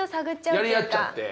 やり合っちゃって。